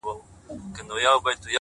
• آفتونو پكښي كړي ځالګۍ دي,